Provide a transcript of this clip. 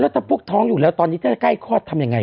ถ้าพวกท้องอยู่แล้วตอนนี้ถ้าจะใกล้คลอดทำยังไง